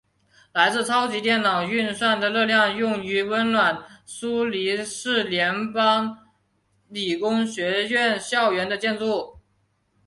来自超级电脑运算产生的热量用于温暖苏黎世联邦理工学院校园的建筑物。